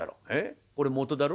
これ元だろ。